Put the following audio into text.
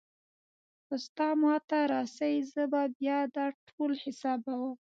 خو ستا ما ته رسي زه بيا دا ټول حسابوم.